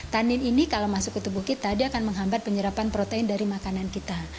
tanin ini kalau masuk ke tubuh kita dia akan menghambat penyerapan protein dari makanan kita